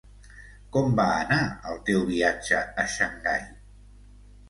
Com va anar el teu viatge a Xangai?